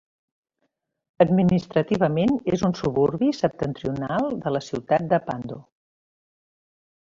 Administrativament, és un suburbi septentrional de la ciutat de Pando.